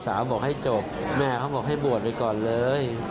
บอกให้จบแม่เขาบอกให้บวชไปก่อนเลย